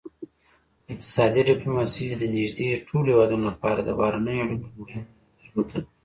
اقتصادي ډیپلوماسي د نږدې ټولو هیوادونو لپاره د بهرنیو اړیکو مهمه موضوع ده